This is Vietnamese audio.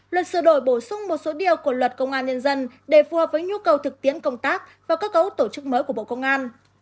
luật sửa đổi bổ sung một số điều của luật công an nhân dân để phù hợp với nhu cầu thực tiễn công tác và cơ cấu tổ chức mới của bộ công an